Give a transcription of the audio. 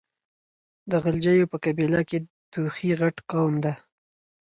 د غلجيو په قبيله کې توخي غټ قوم ده.